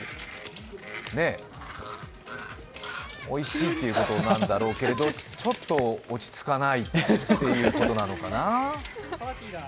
おいしいってことなんだろうけど、ちょっと落ち着かないってことなのかな？